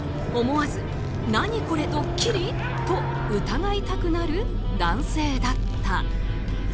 思わず、何これドッキリ？と疑いたくなる男性だった。